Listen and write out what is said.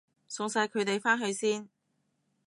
送晒佢哋返去先